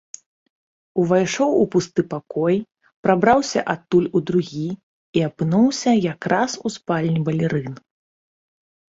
Увайшоў у пусты пакой, прабраўся адтуль у другі і апынуўся якраз у спальні балерын.